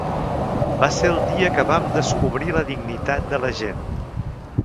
Va ser el dia que vam descobrir la dignitat de la gent.